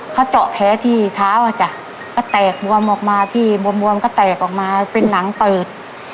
เขาเจาะแผลที่เท้าอ่ะจ้ะก็แตกบวมออกมาที่บวมก็แตกออกมาเป็นหนังเปิด